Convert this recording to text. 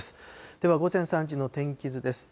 では午前３時の天気図です。